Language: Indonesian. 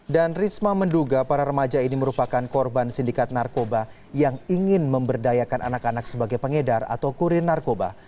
dan risma menduga para remaja ini merupakan korban sindikat narkoba yang ingin memberdayakan anak anak sebagai pengedar atau kurir narkoba